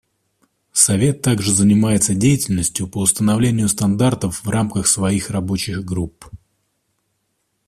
Совет также занимается деятельностью по установлению стандартов в рамках своих рабочих групп.